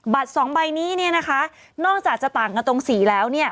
สองใบนี้เนี่ยนะคะนอกจากจะต่างกันตรงสีแล้วเนี่ย